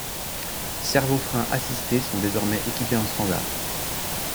Servo-freins assistés sont désormais équipés en standard.